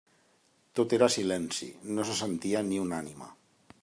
Tot era silenci, no se sentia ni una ànima.